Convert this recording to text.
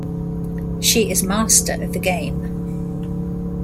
She is master of the game.